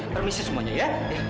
permisi semuanya ya